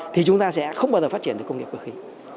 thì chúng ta sẽ không bao giờ phát triển được công nghiệp cơ khí